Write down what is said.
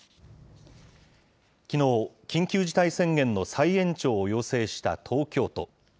きのう、緊急事態宣言の再延長を要請した東京都。